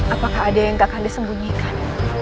apakah ada yang kanda sembunyikan